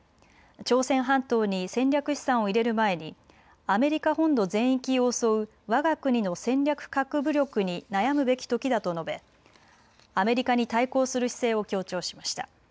朝鮮半島に戦略資産を入れる前にアメリカ本土全域を襲うわが国の戦略核武力に悩むべきときだと述べ、アメリカに対抗する姿勢を強調しました。